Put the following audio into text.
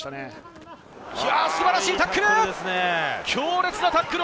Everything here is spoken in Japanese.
素晴らしいタックル！